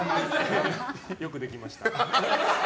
よくできました。